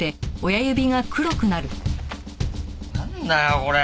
なんだよこれ！